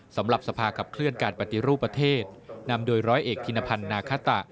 สำหรับสภาขับเคลื่อนการปฏิรูปประเทศนำโดยร้อยเอกธินพันธ์นาคตะ